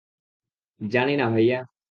জানি না, ভাইয়া।